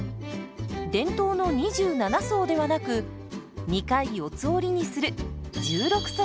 伝統の２７層ではなく２回四つ折りにする１６層です。